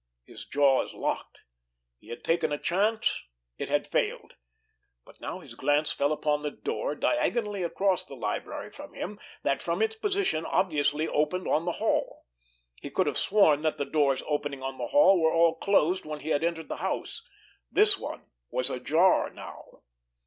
His jaws locked. He had taken a chance. It had failed. But now his glance fell upon the door, diagonally across the library from him, that, from its position, obviously opened on the hall. He could have sworn that the doors opening on the hall were all closed when he had entered the house. This one was ajar now!